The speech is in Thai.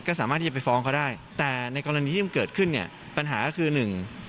ก็สามารถที่จะไปฟ้องเขาได้แต่ในกรณีที่มันเกิดขึ้นเนี่ยปัญหาก็คือหนึ่ง